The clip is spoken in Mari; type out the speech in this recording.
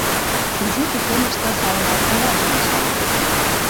Изи пӱкеныште Сайнай кова шинча.